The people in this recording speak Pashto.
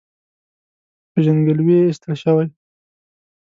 له پېژندګلوۍ یې ایستل شوی.